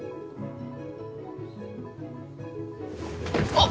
あっ！